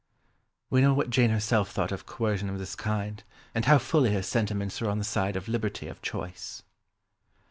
We know what Jane herself thought of coercion of this kind, and how fully her sentiments were on the side of liberty of choice.